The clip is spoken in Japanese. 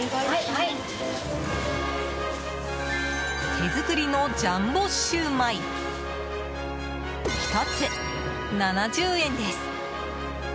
手作りのジャンボシューマイ１つ７０円です。